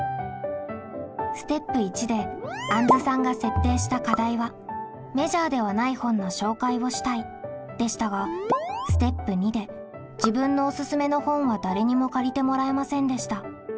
ステップ①であんずさんが設定した課題は「メジャーではない本の紹介をしたい」でしたがステップ②で自分のおすすめの本は誰にも借りてもらえませんでした。